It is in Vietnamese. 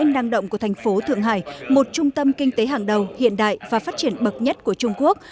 năng động của thành phố thượng hải một trung tâm kinh tế hàng đầu hiện đại và phát triển bậc nhất của trung quốc